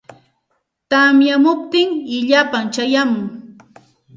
Tamyamuptin illapam chayamun.